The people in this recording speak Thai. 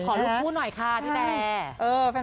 ขอลูกคู่หน่อยค่ะพี่แดน